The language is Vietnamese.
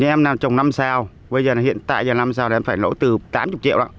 nhưng em trồng năm sao hiện tại năm sao thì em phải nổ từ tám mươi triệu đó